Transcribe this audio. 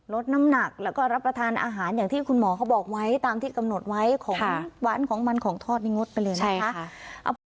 ลดน้ำหนักแล้วก็รับประทานอาหารอย่างที่คุณหมอเขาบอกไว้ตามที่กำหนดไว้ของหวานของมันของทอดนี่งดไปเลยนะคะ